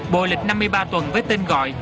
bồi lịch năm mươi ba tuần với tên gọi